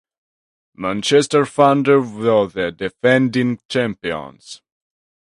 Manchester Thunder were the defending champions.